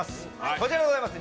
こちらでございます。